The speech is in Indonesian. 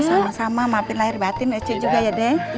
sama sama maafin lahir batin ya cik juga ya deh